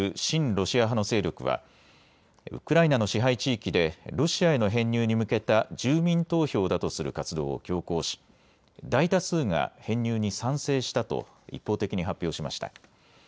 ロシア派の勢力はウクライナの支配地域でロシアへの編入に向けた住民投票だとする活動を強行し大多数が編入に賛成したと一方的に発表しました。